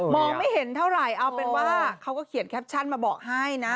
ไม่เห็นเท่าไหร่เอาเป็นว่าเขาก็เขียนแคปชั่นมาบอกให้นะ